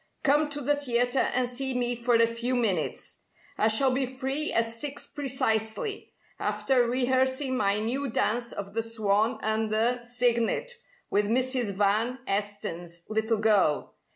Come to the theatre and see me for a few minutes. I shall be free at six precisely, after rehearsing my new dance of the 'Swan and the Cygnet' with Mrs. Van Esten's little girl.